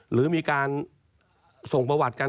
หรือมีการส่งประวัติกัน